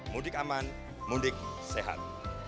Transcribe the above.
mudik aman mudik sehat